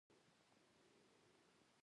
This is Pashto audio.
موږ د هغه نوي ژوند په ماهیت نه پوهېږو